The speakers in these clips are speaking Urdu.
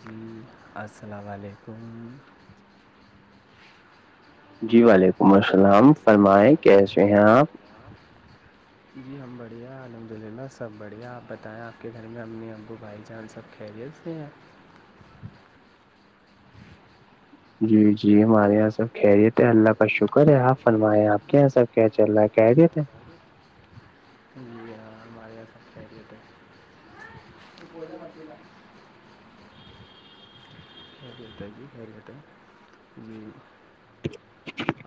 جی السلام علیکم جی وعلیکم السلام فرمائے کیسے ہیں آپ جی ہم بڑھیا الحمد للہ سب بڑھیا آپ بتائیں آپ کے گھر میں امی ابو بھائی جان سب کیریس نہیں ہیں جی جی ہمارے یہاں سب خیریت ہے اللہ کا شکر ہے آپ فرمائےیں آپ کے یہاں سب کہ چا خیریت ہے جی ہاں بازہ سب پہلیے پ تو کوول مر ل جی ہی رہتے ہے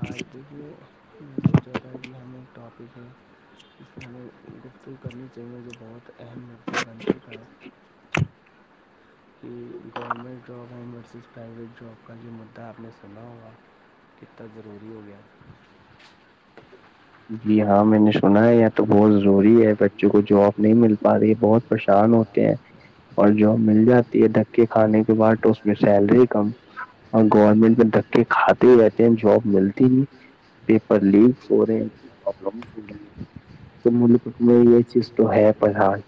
آج د جو سوچا تھا کہ ہمیں ایک ٹاپک ہے پہلیں گفتو کرنی چاہیے مجھے بہت اہم مدہ بن چکا ہے کہ گورنمنٹ جاب ہیں ورسز پرائیویٹ جاب کا جو مدعہ آپ نے سنا ہوا تا ضروری ہو گیا جی ہاں میں نے سنا ہے یہ تو بہت ضروری ہے بچوں کو جاب نہیں مل پا رہی ہے بہت پریشان ہوتے ہیں اور جو مل جاتی ہے دھکے کھانے کے بعد تو اس میں سیلری کم اور گورنمنٹ میں دھکے کھاتے رہتے ہیں جاب ملتی ہی پیپر لییک ہو رہے ہیں تو ملک میں یہ چیز تو ہے پر حال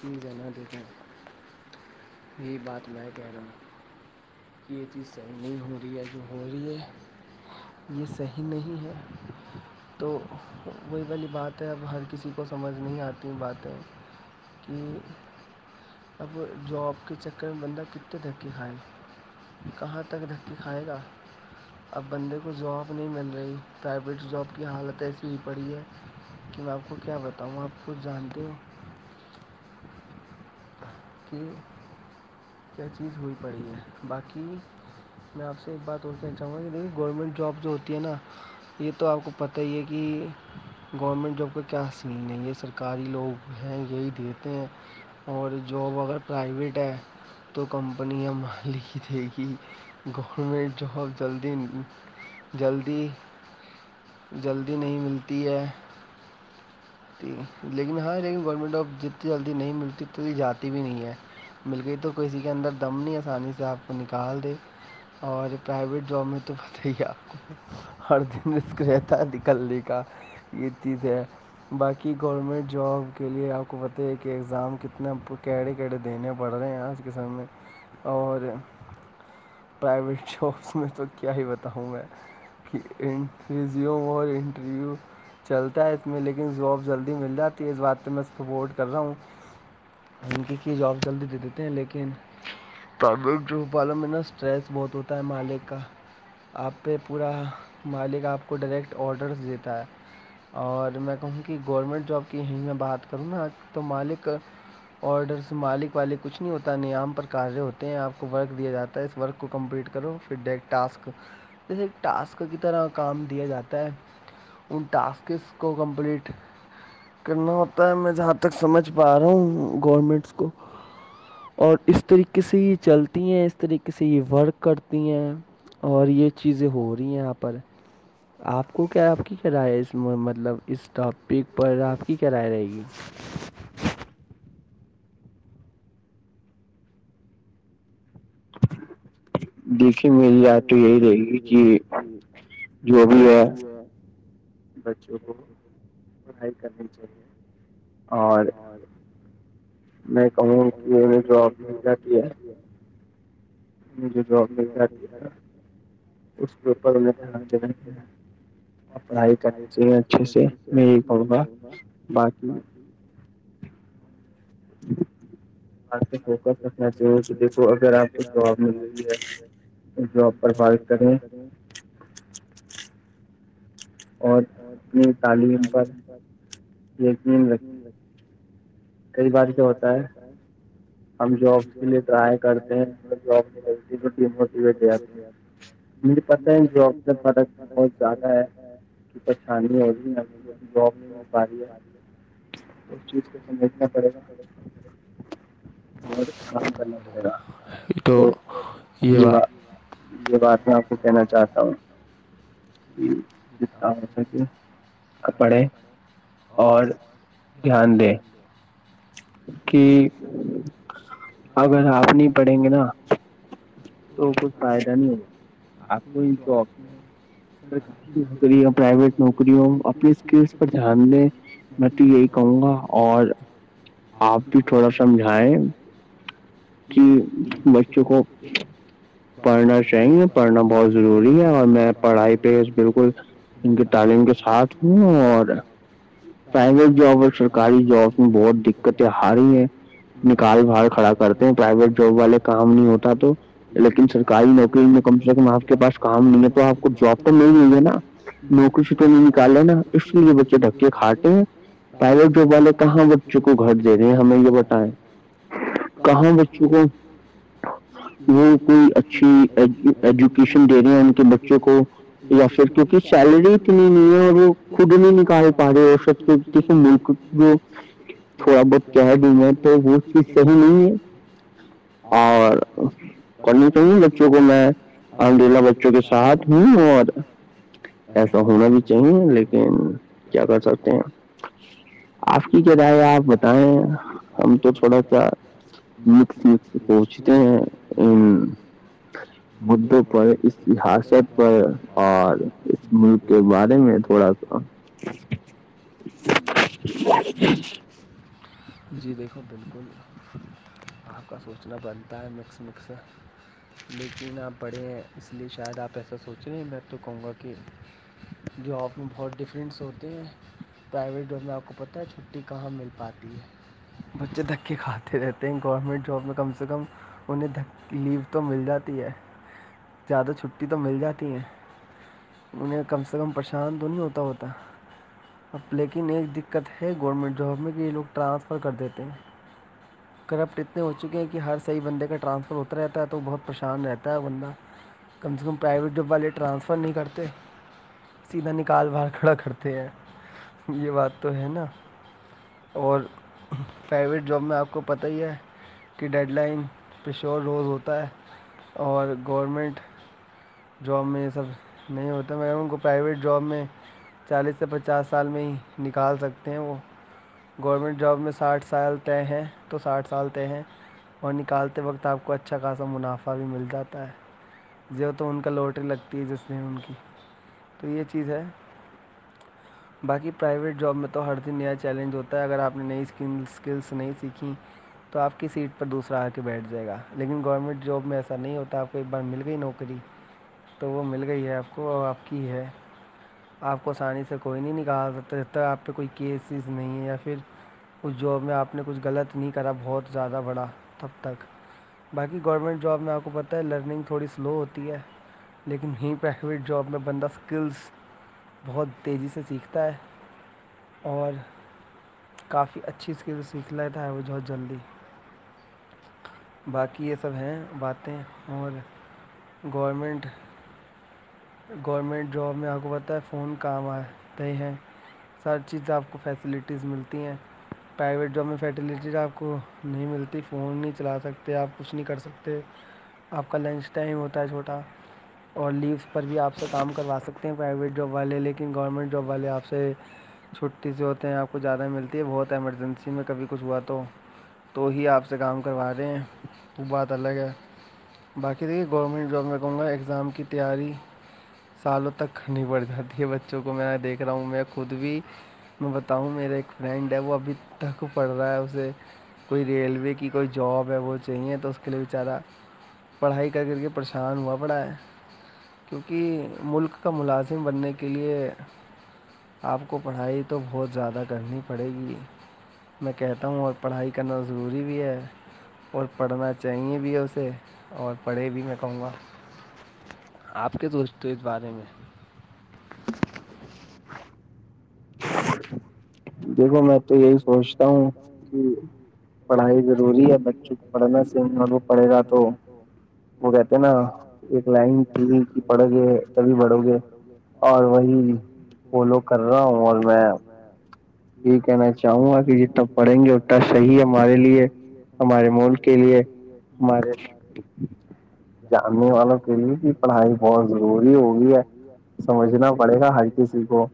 کی جا د یہی بات میں کہہ رہا ہوں چیز صحیح نہیں ہو رہی ہے جو ہو رہی ہے یہ صحیح نہیں ہے تو وہی والی بات ہے اب ہر کسی کو سمجھ نہیں آتی باتیں کہ اب جاب کے چکر میں بندہ کنے تک کے کھائے کہاں تک دھھرتی کھائے گا اب بندے کو جاب نہیں مل رہی پرائیویٹ جاب کی حالت ایسی ہی پڑی ہے کہ میں آپ کو کیا بتاؤں آپ کچھ جانتے ہو [unintelligible] کہ [unintelligible] کیا چیز ہوئی پڑی ہے باقی میں آپ سے ایک بات اور کہ چاہوں گا کہ دیکھیے گورنمنٹ جاب جو ہوتی ہے نا یہ تو آپ کو پتہ ہی ہے کہ گورنمنٹ جاب کا کیا حکین ہے یہ سرکاری لوگ ہیں یہی دیتے ہیں اور جاب اگر پرائیویٹ ہے تو کمپنیاں م لکھی تھیں کہ گورمنٹ جاب جلدی ان کی جلدی جلدی نہیں ملتی ہے لیکن ہاں لیکن گورنمنٹ جاب جتنی جلدی نہیں ملتی ات جاتی بھی نہیں ہے مل گئی تو کسی کے اندر دم نہیں آسانی سے آپ کو نکال دے اور پرائیویٹ جاب میں تو پتہ ہی کیا آپ کو ہر دن مسک رہتا نکلنے کا یہ چیزیں ہے باقی گورنمنٹ جاب کے لیے آپ کو پتہ ہے کہ ایگزام کتنا کیڈے کڑے دنے پڑھا رہے ہیں اس کے سامنے میں اور پرائیویٹ جابس میں تو کیا ہی بتاؤں میں کہ ریزیوم اور انٹرویو چلتا ہے اس میں لیکن زاب جلدی مل جاتی ہے اس بات پہ میں سپورٹ کر رہا ہوں دھمکی کی یہ جواب جلدی دے دیتے ہیں لیکن ل والوں میں نا اسٹریس بہت ہوتا ہے مالک کا آپ پہ پورا مالک آپ کو ڈائریکٹ آڈرس دیتا ہے اور میں کہوں کہ گورنمنٹ جاب کی ہییں میں بات کروں نا تو مالک آرڈر سے مالک والک کچھ نہیں ہوتا نیام پر کاریہ ہوتے ہیں آپ کو ورک دیا جاتا ہے اس ورک کو کمپلیٹ کرو پھر ڈیک ٹسک جیسے ایک ٹاسک کی طرح کام دیا جاتا ہے ان ٹاسکس کو کمپلیٹ کرنا ہوتا ہے میں جہاں تک سمجھ پا رہا ہوں گورمنٹس کو اور اس طریقے سے یہ چلتی ہیں اس طریقے سے یہ ورک کرتی ہیں اور یہ چیزیں ہو رہی ہیں یہاں پر آپ کو کیا آپ کی کرائےیہ اس مطلب اس ٹاپک پر آپ کی کرائے رہے گی دیکھی میری رات تو یہی رہے گی کہ جو بھی ہے بچوں کو پڑھائی کرنی چاہیے اور میں کہوں کہ انہیں جاب مل جاتی ہے جو جاب مل جاتی ہے نا اس کے اوپر انہیں دھیان دی ہے پڑھائی کرنی چاہیے اچھے سے میں یہی کہوں گا باقی جی [inaudible] [inaudible] بات پہ فوکس رکھنا چضروری دیکھو اگر آپ کو جواب مل رہی ہے جواب پر بارت کرنی اور اپنی تعلیم پر یقین رکھیں کئی بار کیا ہوتا ہے ہم جابس کے لیے ٹرائی کرتے ہیں ہمگ جاب میں ملتی تو ڈیموٹیویٹ ہو جاتے ہیں مجھے پتاہ ہے جواب میں فڈک بہت زیادہ ہے کی پریشانی ہو رہی ہے مج جاب نہیں مل پا اس چیز کو سمجھنا پڑے گا اور کام کرنا پڑے گا تو یہا [unintelligible] یہ بات میں آپ کو کہنا چاہتا ہوں کہ جتا ہو سک کپڑے اور دھیان دیں کہ اگر آپ نہیں پڑھیں گے نا تو کچھ فائدہ نہیں ہوگا آپ جو [inaudible] سرکاری نوکری پرائیویٹ نوکریوں اپنی اسکلس پر دھیان دیں میں تو یہی کہوں گا [inaudible] اور آپ بھی تھوڑا سمجھائائے کہ بچوں کو [inaudible] ہاں [inaudible] پڑھنا چاہ گے پڑھنا بہت ضروری ہے اور میں پڑھائی پہ بالکل ان کی تعلیم کے ساتھ ہوں اور پرائیوٹ جاب اور سرکاری جاب میں بہت دقتیں آ رہی ہے نکال بھال کھڑا کرتے ہیں پرائیویٹ جاب والے کام نہیں ہوتا تو لیکن سکاری موکری میں کم سے کم میں آپ کے پاس کانا نہیںتا ہوں آپ کو جاب تو نہیں مجھے نا [inaudible] نوکری سے تو نہیں نکالے نا اس لیے بچے دھکے کھٹ ہیں پائلٹ جو والے کہاں بچوں کو گٹ دے رہے ہیں ہمیں یہ بتائے کہاں بچوں کو ہوں [inaudible] اچھی ایجوکیشن دے رہے ہیں ان کے بچوں کو علاقے کے [inaudible] کیونکہ سیلری اتنی نہیں ہے اور وہ خود نہیں نکال پا رہے اور سب کسی ملک جو [inaudible] تھوڑا بہت کہ دوں میں تو وہ چیز صحیح نہیں ہے [inaudible] اور [inaudible] کرنی چاہوں گی بچوں کو میں الحمد للہ بچوں کے ساتھ ہوں اور [inaudible] ایسا ہونا بھی چاہیے لیکن کیا کر سکتے ہیں آپ کی جو ب آ [inaudible] بت ہے ہم تو تھوڑا کیا [inaudible] م م پہنچتے ہیں ا [inaudible] جاں [inaudible] مدعوں پر اس سحستت پر اور اس ملک کے بارے میں تھوڑا [inaudible] [inaudible] جی دیکھو بالکل آپ کا سوچنا بنتا ہے مکس مکس لیکن آپ پڑھے ہیں اس لے شاید آپ ایسا سوچ رہے ہیں میں تو کہوں گا کہ جو آپ میں بہت ڈفرینس ہوتے ہیں پرائیویٹ جوب میں آپ کو پتہ ہے چھٹی کہاں مل پاتی ہے بچے دھکے کھاتے رہتے ہیں گورنمنٹ جاب میں کم سے کم انہیں دک لیو تو مل جاتی ہے زیادہ چھٹی تو مل جاتی ہیں انہیں کم سے کم پریشان تو نہیں ہوتا ہوتا اب لیکن ایک دقت ہے گورنمنٹ جاب میں کہ یہ لوگ ٹرانسفر کر دیتے ہیں کرپٹ اتنے ہو چکے ہیں کہ ہر صحیح بندے کا ٹرانسفر ہوتا رہتا ہے تو وہ بہت پریشان رہتا ہے بندہ کم سے کم پرائیویٹ جب والے ٹرانسفر نہیں کرتے سیدھا نکال بر کھڑا کرتے ہیں یہ بات تو ہے نا اور فیوریٹ جاب میں آپ کو پتہ ہی ہے کہ ڈیڈ لائن پشور روز ہوتا ہے اور گورمنٹ جاب میں یہ سب نہیں ہوتا مگر ان کو پرائیویٹ جاب میں چالیس سے پچاس سال میں ہی نکال سکتے ہیں وہ گورمنٹ جاب میں ساٹھ سال تے ہیں تو ساٹھ سال تے ہیں اور نکالتے وقت آپ کو اچھا خاصا منافع بھی مل جاتا ہے زیت تو ان کا لوٹری لگتی ہے جس میں ان کی تو یہ چیز ہے باقی پرائیویٹ جاب میں تو ہر دن نیا چیلنج ہوتا ہے اگر آپ نے نئی اسکل اسکلس نہیں سیکھییں تو آپ کی سیٹ پر دوسرا آ کے بیٹھ جائے گا لیکن گورنمنٹ جاب میں ایسا نہیں ہوتا آپ کو ایک بار مل گئی نوکری تو وہ مل گئی ہے آپ کو اور آپ کی ہے آپ کو آسانی سے کوئی نہیں نکالتا آپ پہ کوئی کیسز نہیں ہے یا پھر کچھ جاب میں آپ نے کچھ غلط نہیں کرا بہت زیادہ بڑا تب تک باقی گورنمنٹ جاب میں آپ کو پہ ہے لرننگ تھوڑی سلو ہوتی ہے لیکن وہیں پرائیویٹ جاب میں بندہ اسکلس بہت تیزی سے سیکھتا ہے اور کافی اچھی اس کے جو سیکھ لیتا ہے وہ بہت جلدی باقی یہ سب ہیں باتیں اور گورمنٹ گورنمنٹ جاب میں حکومت ہے فون کام آتےے ہیں ساری چیزیں آپ کو فیسلٹیز ملتی ہیں پرائیویٹ جاب میں فیٹیلیٹیز آپ کو نہیں ملتی فون نہیں چلا سکتے آپ کچھ نہیں کر سکتے آپ کا لنچ ٹائم ہوتا ہے چھوٹا اور لیوس پر بھی آپ سے کام کروا سکتے ہیں پرائیویٹ جاب والے لیکن گورنمنٹ جاب والے آپ سے چھٹی سے ہوتے ہیں آپ کو زیادہ ملتی ہے بہت ایمرجنسی میں کبھی کچھ ہوا تو تو ہی آپ سے کام کروا رہے ہیں تو بات الگ ہے باقی دیکھیے گورنمنٹ جاب میں کہوں گا ایگزام کی تیاری سالوں تکنی پڑ جاتی ہے بچوں کو میں دیکھ رہا ہوں میں خود بھی میں بتاؤں میرا ایک فرینڈ ہے وہ ابھی تک پڑھ رہا ہے اسے کوئی ریلوے کی کوئی جاب ہے وہ چاہیے تو اس کے لیے بچارہ پڑھائی کر کر کے پریشان ہوا پڑا ہے کیونکہ ملک کا ملازم بننے کے لیے آپ کو پڑھائی تو بہت زیادہ کرنی پڑے گی میں کہتا ہوں اور پڑھائی کرنا ضروری بھی ہے اور پڑھنا چاہیے بھی ہے اسے اور پڑھے بھی میں کہوں گا آپ کے دوستوں ا س بارے میں دیکھو میں تو یہی سوچتا ہوں کہ پڑھائی ضروری ہے بچوں کو پڑھنے سے مطلب پڑے گا تو وہ کہتے نا ایک لائن تھی کہ پڑھو گے تبھی بڑھو گے اور وہی فالو کر رہا ہوں اور میں یہ کہنا چاہوں گا کہ جتنا پڑھیں گے اتنا صحیح ہے ہمارے لیے ہمارے مول کے لیے ہمارے [unintelligible] سمجھنا پڑے گا ہر کسی کو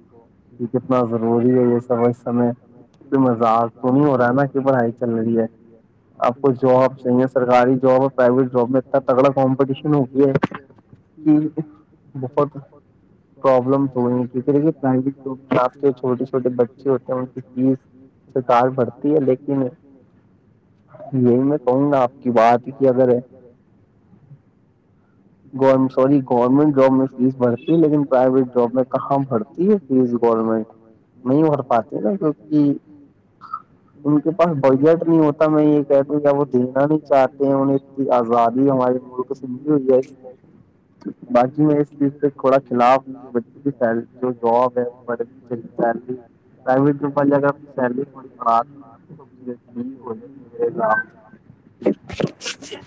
کہ کتنا ضروری ہے یہ اس سمےکی مزاق تو نہیں ہو رہا ہے نا کہ پڑھائی چل رہی ہے آپ کو جاب چاہیے سرکاری جاب اور پرائیویٹ جاب میں اتنا تگڑا کمپٹیشن ہو گیا ہے کی بہت پرابلمس ہوئی دیکھوآپ کے چھوٹے چھوے بچے اسے ہوتے ہیں ان کی فیس سرکار بڑھتی ہے لیکن کہ باہر مے I am sorry government job میں فیس بھرتی ہے لیکن پرائیویٹ جاب میں کہاں بھرتی ہے فیس گورنمنٹ نہیں بھرتی پاتے کی کہ ان کے پاس بجٹ نہیں ہوتا میں یہ کہتی ہوں کہ وہ دینا نہیں چاہتے ہیں انہیں اتنی آزادی ہمارے ملک سے نہیں ہوئی جی باقی میں اس چیز پہ تھوڑا خلاف ہوں کہ بچوں کی سیل جو جاب ہے وہ بدھنی چاہے [unintelligible] [unintelligible]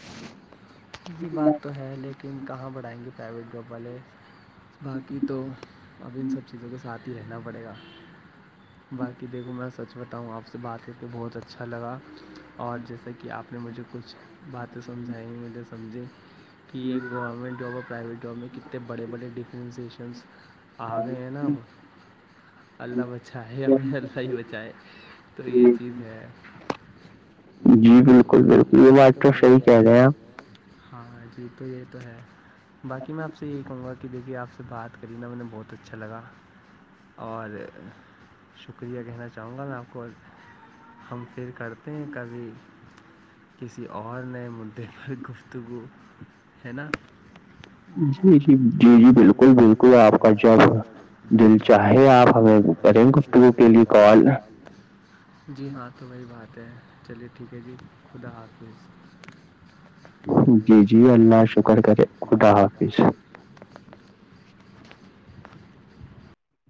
یہی بات تو ہے لیکن کہاں بڑھائیں گے پرائیویٹ جاب والے باقی تو اب ان سب چیزوں کے ساتھ ہی رہنا پڑے گا باقی دیکھو میں سچ بتاؤں آپ سے بات کر کے بہت اچھا لگا اور جیسا کہ آپ نے مجھے کچھ باتیں سمجھائیں مجھے سمجھیں یہ گورنمنٹ جابب اور پرائیویٹ جاب میں کتنے بڑے بڑے ڈیفرینسیشنز آ گئے ہیں نا اب اللہ بچائے ہمیں اللہ ہی بچائے تو یہ چیز ہے جی بالکل بالکل یہ بات کیا ہاں جی تو یہ تو ہے باقی میں آپ سے یہی کہوں گا کہ دیکھیے آپ سے بات کری نا میں بہت اچھا لگا اور شکریہ کہنا چاہوں گا میں آپ کو ہم پھر کرتے ہیں کبھی اور نئے مددے پر گفتگو ہے نا جی جی جی جی بالکل بالکل آپ کا جب دل چاہے آپ ہمیں کریں گفتگو کے لیے کال جی ہاں تو وہی بات ہے چلیے ٹھیک ہے جی خدا حافظ جی جی اللہ شکر کرے خدا حافظ